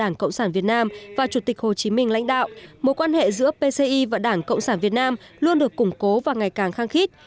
đảng cộng sản việt nam và chủ tịch hồ chí minh lãnh đạo mối quan hệ giữa pci và đảng cộng sản việt nam luôn được củng cố và ngày càng khăng khít